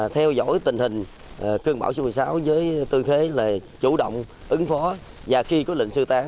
theo dõi tình hình cơn bão số một mươi sáu với tư thế là chủ động ứng phó và khi có lệnh sơ tán